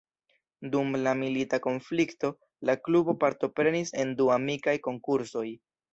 Dum la milita konflikto, la klubo partoprenis en du amikaj konkursoj.